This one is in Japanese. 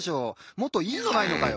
もっといいのないのかよ？